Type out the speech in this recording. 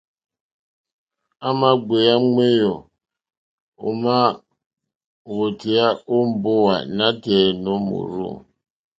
À mà gbèyá ŋwèyò ómá wótéyá ó mbówà nátɛ̀ɛ̀ nǒ mòrzô.